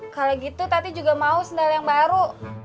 kalau gitu tadi juga mau sendal yang baru